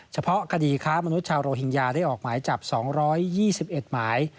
เฉพาะคดีค้ามนุษยชาวโรฮิงญาได้ออกหมายจับ๒๒๑หมาย